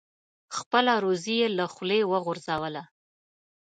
خپله روزي یې له خولې وغورځوله.